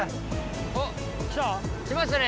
あっ来ましたね